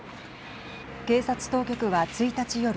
警察当局は１日夜